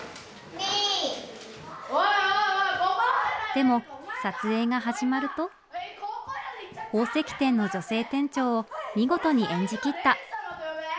でも撮影が始まると宝石店の女性店長を見事に演じきった。